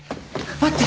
待って！